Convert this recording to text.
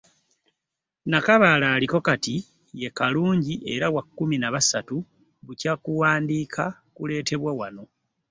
Nakabaale aliko kati ye Kalungi era wa kkumi na ssatu bukya kuwandiika kuleetebwa wano.